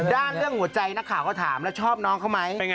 เรื่องหัวใจนักข่าวก็ถามแล้วชอบน้องเขาไหม